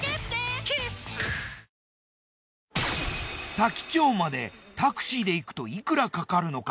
多気町までタクシーで行くといくらかかるのか？